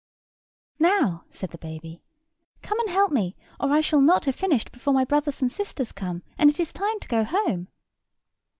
"Now," said the baby, "come and help me, or I shall not have finished before my brothers and sisters come, and it is time to go home."